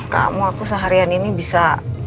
kamu aku seharian ini bisa